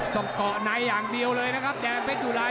จบเกาะในอย่างเดี่ยวเลยนะครับ